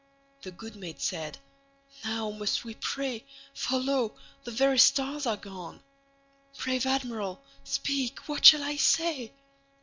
The good mate said: "Now must we pray, For lo! the very stars are gone. Brave Admiral, speak, what shall I say?"